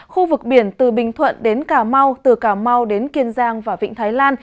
khu vực biển từ bình thuận đến cà mau từ cà mau đến kiên giang và vịnh thái lan